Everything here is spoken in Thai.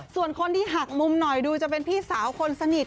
ส่วนคนที่หักมุมหน่อยดูจะเป็นพี่สาวคนสนิท